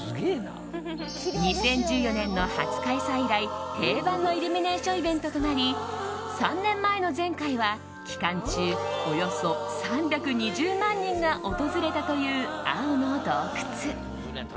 ２０１４年の初開催以来定番のイルミネーションイベントとなり３年前の前回は期間中およそ３２０万人が訪れたという青の洞窟。